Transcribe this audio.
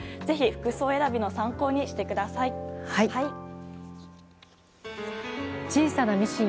ぜひ服装選びの参考にしてください。